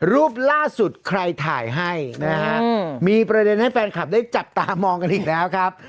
รูปล่าสุดใครถ่ายให้นะฮะมีประเด็นให้แฟนคลับได้จับตามองกันอีกแล้วครับ